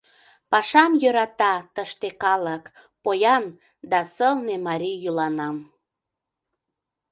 Пашам йӧрата тыште калык, Поян да сылне марий йӱланам.